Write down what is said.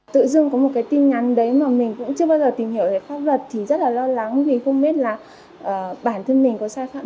tự dưng có một tin nhắn đấy mà mình cũng chưa bao giờ tìm hiểu về pháp luật thì rất là lo lắng vì không biết là bản thân mình có sai phạm gì không